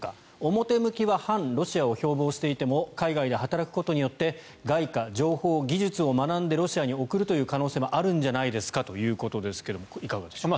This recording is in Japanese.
表向きは反ロシアを標ぼうしていても海外で働くことによって外貨、情報、技術を学んでロシアに送るという可能性もあるんじゃないですかということですがいかがでしょう。